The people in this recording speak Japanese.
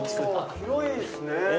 広いですねええ